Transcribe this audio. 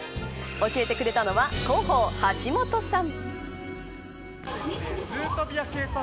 教えてくれたのは広報、橋本さん。